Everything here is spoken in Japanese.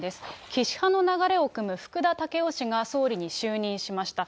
岸派の流れをくむ福田赳夫氏が総理に就任しました。